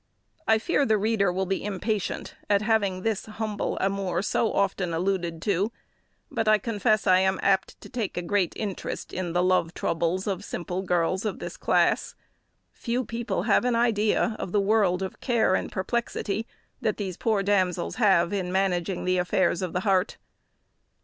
I fear the reader will be impatient at having this humble amour so often alluded to; but I confess I am apt to take a great interest in the love troubles of simple girls of this class. Few people have an idea of the world of care and perplexity that these poor damsels have in managing the affairs of the heart.